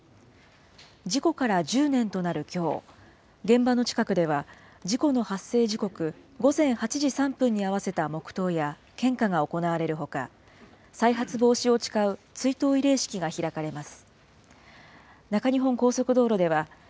事故から１０年となるきょう、現場の近くでは、事故の発生時刻、午前８時３分に合わせた黙とうや献花が行われるほか、再発防止を誓う追悼慰霊式が開かれます。